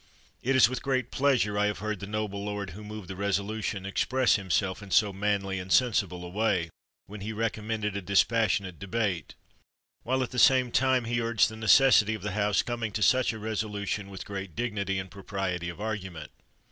It is with great pleasure I have heard the noble lord who moved the resolution express himself in so manly and sensible a way when he recommended a dis passionate debate, while at the same time he urged the necessity of the House coming to such a resolution, with great dignity and propriety of argument.